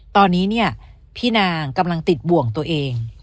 ตอนนี้เนี่ยพี่นางกำลังติดบ่วงตัวเอง